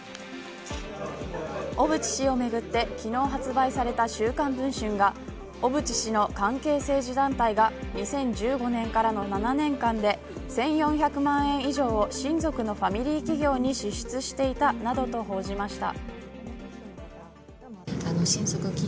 小渕氏をめぐって、昨日発売された週刊文春が小渕氏の関係政治団体が２０１５年からの７年間で１４００万円以上を親族のファミリー企業に支出していたなどと報じました。